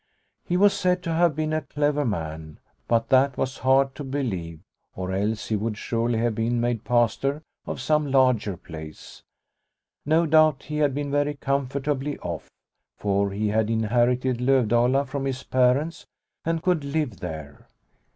He was said to have been a clever man, but that was hard to believe, or else he 98 Liliecrona's Home would surely have been made Pastor of some larger place. No doubt he had been very comfortably off, for he had inherited Lovdala from his parents and could live there.